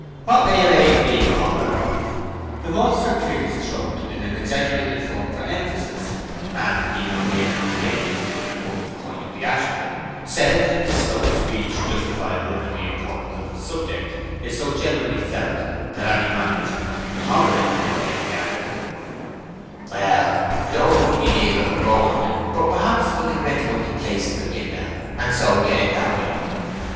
"What may your age be, malter?" The maltster cleared his throat in an exaggerated form for emphasis, and elongating his gaze to the remotest point of the ashpit, said, in the slow speech justifiable when the importance of a subject is so generally felt that any mannerism must be tolerated in getting at it, "Well, I don't mind the year I were born in, but perhaps I can reckon up the places I've lived at, and so get it that way.